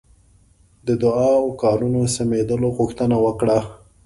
د دعا او کارونو سمېدلو غوښتنه وکړه.